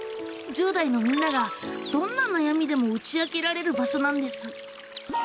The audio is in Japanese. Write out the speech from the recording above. １０代のみんながどんな悩みでも打ち明けられる場所なんです。